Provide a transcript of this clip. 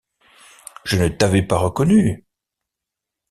Je ne t’avais pas reconnue…